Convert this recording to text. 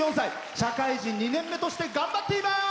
社会人２年目として頑張っています。